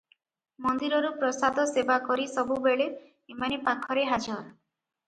ମନ୍ଦିରରୁ ପ୍ରସାଦ ସେବା କରି ସବୁବେଳେ ଏମାନେ ପାଖରେ ହାଜର ।